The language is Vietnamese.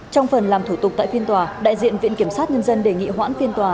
trong phần làm thủ tục tại phiên tòa đại diện viện kiểm sát nhân dân đề nghị hoãn phiên tòa